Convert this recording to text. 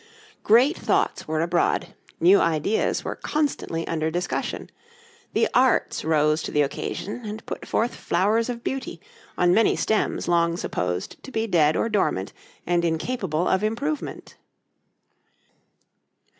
Great thoughts were abroad, new ideas were constantly under discussion, the Arts rose to the occasion and put forth flowers of beauty on many stems long supposed to be dead or dormant and incapable of improvement.